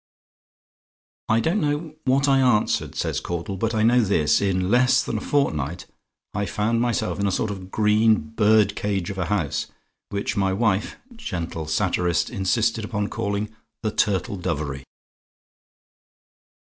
"I don't know what I answered," says Caudle, "but I know this: in less than a fortnight I found myself in a sort of a green bird cage of a house, which my wife gentle satirist insisted upon calling 'The Turtle Dovery.'"